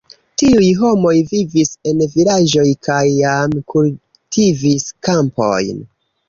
Tiuj homoj vivis en vilaĝoj kaj jam kultivis kampojn.